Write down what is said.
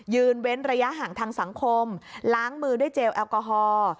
เว้นระยะห่างทางสังคมล้างมือด้วยเจลแอลกอฮอล์